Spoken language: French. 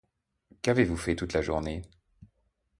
Qu'avez-vous fait toute la journée ?